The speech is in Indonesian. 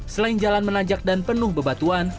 selain jalan menanjak dan penuh bebatuan